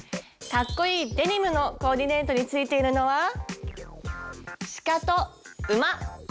かっこいいデニムのコーディネートについているのはシカと馬。